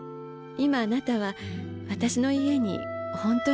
今あなたは私の家に本当にいるんだよ。